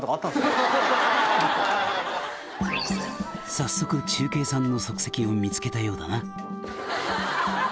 「早速忠敬さんの足跡を見つけたようだな」